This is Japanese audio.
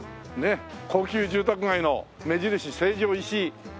高級住宅街の目印「成城石井」。